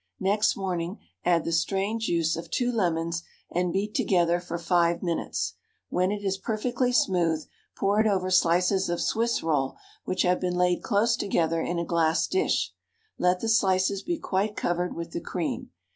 Next morning add the strained juice of 2 lemons and beat together for 5 minutes; when it is perfectly smooth pour it over slices of Swiss roll which have been laid close together in a glass dish; let the slices be quite covered with the cream.